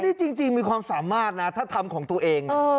นี่จริงมีความสามารถนะถ้าทำของตัวเอง